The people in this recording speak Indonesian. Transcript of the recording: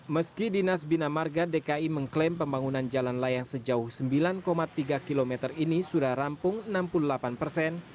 meski dinas bina marga dki mengklaim pembangunan jalan layang sejauh sembilan tiga km ini sudah rampung enam puluh delapan persen